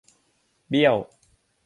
เบี้ยว !